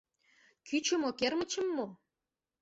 Кӱчымӧ кермычым мо?